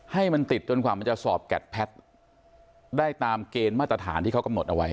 ให้มันติดจนกว่ามันจะสอบแกดแพทย์ได้ตามเกณฑ์มาตรฐานที่เขากำหนดเอาไว้